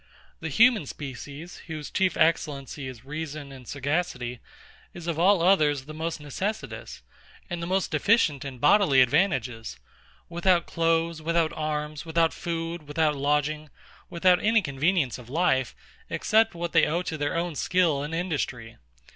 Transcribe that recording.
The human species, whose chief excellency is reason and sagacity, is of all others the most necessitous, and the most deficient in bodily advantages; without clothes, without arms, without food, without lodging, without any convenience of life, except what they owe to their own skill and industry.